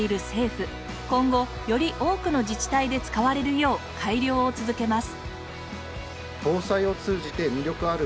今後より多くの自治体で使われるよう改良を続けます。